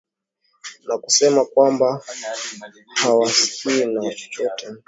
na kusema kwamba hawahusiki na chochote ambacho kiliandikwa kutoa